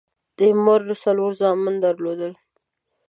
تیمور څلور زامن درلودل.